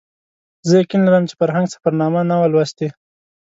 زه یقین لرم چې فرهنګ سفرنامه نه وه لوستې.